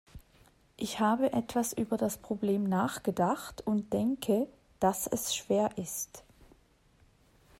Ich habe etwas über das Problem nachgedacht und denke, dass es schwer ist.